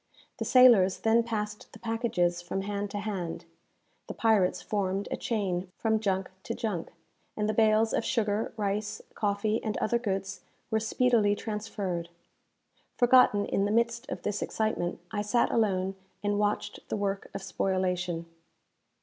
The sailors then passed the packages from hand to hand; the pirates formed a chain from junk to junk; and the bales of sugar, rice, coffee, and other goods were speedily transferred. Forgotten in the midst of this excitement, I sat alone and watched the work of spoilation.